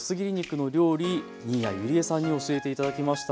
新谷友里江さんに教えて頂きました。